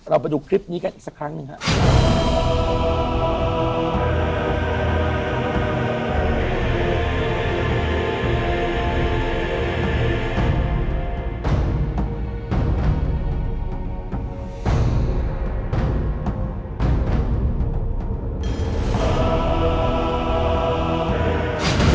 ไปดูคลิปนี้กันอีกสักครั้งหนึ่งครับ